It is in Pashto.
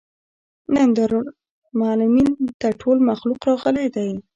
نن دارالمعلمین ته ټول مخلوق راغلى دی.